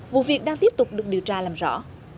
vụ việc đang tiếp tục được điều tra làm rõ